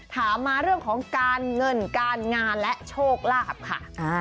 ถามมาเรื่องของการเงินการงานและโชคลาภค่ะ